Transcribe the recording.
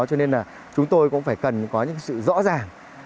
chúng tôi cũng phải cần có những sự rõ ràng